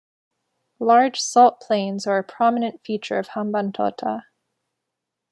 Large salt plains are a prominent feature of Hambantota.